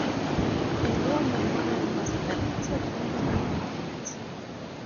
A War Memorial was erected in front of it.